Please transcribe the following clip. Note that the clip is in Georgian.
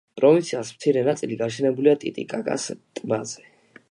პროვინციას მცირე ნაწილი გაშენებულია ტიტიკაკას ტბაზე.